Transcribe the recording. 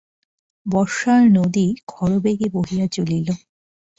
বর্ষার নদী খরবেগে বহিয়া চলিল।